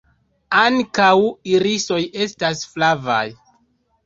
Ankaŭ irisoj estas flavaj.